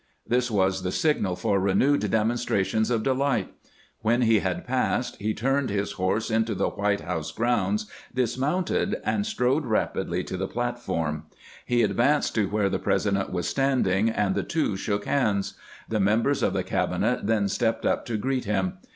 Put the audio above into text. This was the signal for renewed demonstrations of delight. When he had passed, he turned his horse into the White House grounds, dismounted, and strode 510 CAMPAIGNING WITH GRANT rapidly to tlie platform. He advanced to where the President was standing, and the two shook hands. The members of the cabinet then stepped up to greet him.